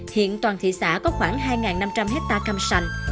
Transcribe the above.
hiện toàn thị xã có khoảng hai năm trăm linh hectare cam sành